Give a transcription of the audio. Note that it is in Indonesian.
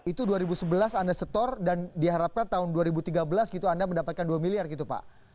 itu dua ribu sebelas anda setor dan diharapkan tahun dua ribu tiga belas gitu anda mendapatkan dua miliar gitu pak